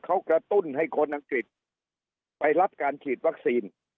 เขากระตุ้นให้คนอังกฤษไปรับการฉีดวัคซีน